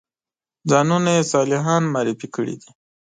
ځانونه یې صالحان معرفي کړي دي.